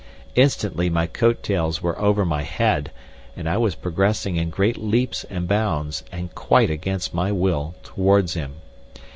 Instantly my coat tails were over my head, and I was progressing in great leaps and bounds, and quite against my will, towards him.